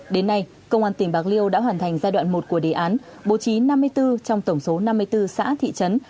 đến nay công an tỉnh bạc liêu đã hoàn thành giai đoạn một của đề án bố trí năm mươi bốn trong tổng số năm mươi bốn xã thị trấn